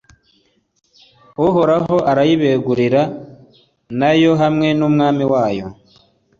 uhoraho arayibegurira na yo hamwe n'umwami wayo